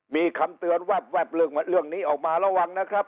มีคำเตือนแวบเรื่องนี้ออกมาระวังนะครับ